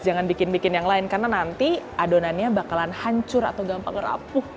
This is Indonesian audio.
jangan bikin bikin yang lain karena nanti adonannya bakalan hancur atau gampang rapuh